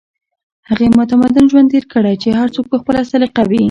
هغې متمدن ژوند تېر کړی چې هر څوک په خپله سليقه وي